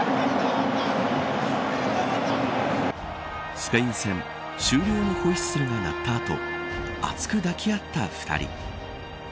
スペイン戦、終了のホイッスルが鳴った後熱く抱き合った２人。